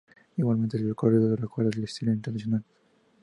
Igualmente el colorido recuerda al estilo internacional.